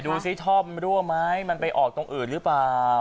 ดูสิท่อมรั่วไหมมันไปออกตรงอื่นหรือเปล่า